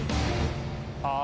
ああ。